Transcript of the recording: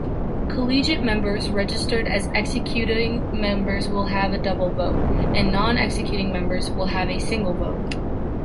Collegiate members registered as executing members will have double vote, and non-executing members will have a single vote.